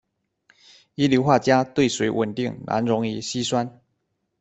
一硫化镓对水稳定，难溶于稀酸。